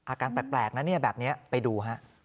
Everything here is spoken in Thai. อาการแปลกแบบนี้ไปดู